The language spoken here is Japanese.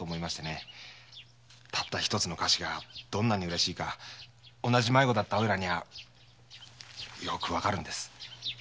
たった一つの菓子がどんなにうれしいか同じ迷子だったおいらにはよくわかるんです。